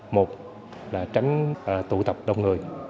một là tránh tụ tập đông người